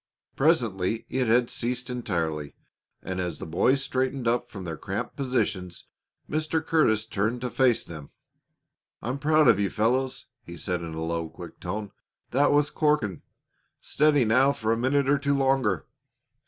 Presently it had ceased entirely, and as the boys straightened up from their cramped positions Mr. Curtis turned to face them. "I'm proud of you, fellows," he said in a low, quick tone. "That was corking! Steady, now, for a minute or two longer."